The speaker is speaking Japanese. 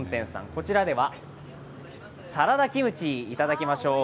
こちらでは、サラダキムチいただきましょう。